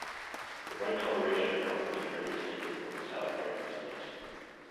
The bright coloration and markings are very distinctive among South American snakes.